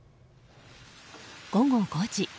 午後５時。